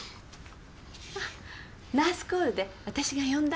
ナースコールで私が呼んだの。